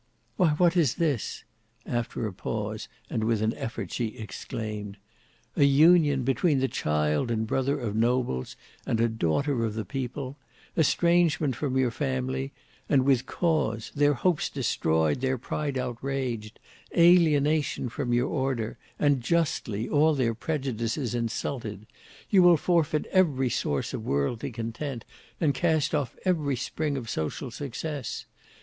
"Why what is this?" after a pause and with an effort she exclaimed. "An union between the child and brother of nobles and a daughter of the people! Estrangement from your family, and with cause, their hopes destroyed, their pride outraged; alienation from your order, and justly, all their prejudices insulted. You will forfeit every source of worldly content and cast off every spring of social success.